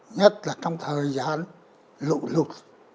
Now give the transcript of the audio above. nhất là trong thời gian lụt lụt